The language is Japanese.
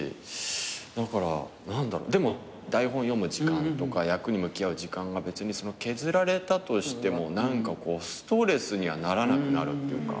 だから何だろうでも台本読む時間とか役に向き合う時間が別に削られたとしてもストレスにはならなくなるっていうか。